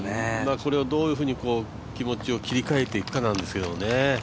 これをどういうふうに気持ちを切り替えていくかなんですけどね。